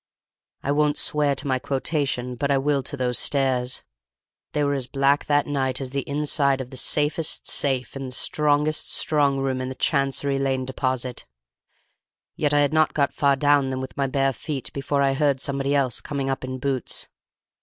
I won't swear to my quotation, but I will to those stairs. They were as black that night as the inside of the safest safe in the strongest strong room in the Chancery Lane Deposit. Yet I had not got far down them with my bare feet before I heard somebody else coming up in boots.